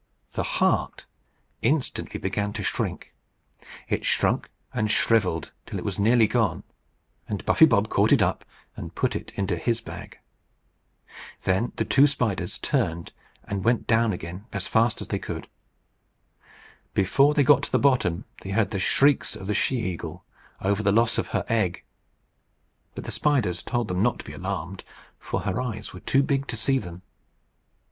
The heart instantly began to shrink. It shrunk and shrivelled till it was nearly gone; and Buffy Bob caught it up and put it into his bag. Then the two spiders turned and went down again as fast as they could. Before they got to the bottom, they heard the shrieks of the she eagle over the loss of her egg; but the spiders told them not to be alarmed, for her eyes were too big to see them.